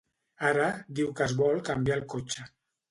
Ara, diu que es vol canviar el cotxe.